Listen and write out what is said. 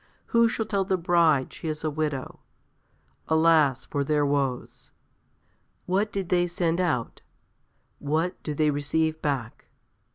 Who shall tell the Bride she is a widow? Alas for their woes! What did they send out? What do they receive back?